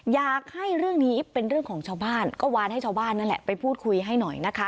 อยากให้เรื่องนี้เป็นเรื่องของชาวบ้านก็วานให้ชาวบ้านนั่นแหละไปพูดคุยให้หน่อยนะคะ